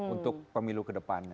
untuk pemilu kedepan